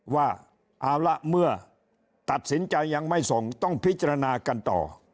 ว่าเอาละเมื่อตัดสินใจยังไม่ส่งต้องพิจารณากันต่อ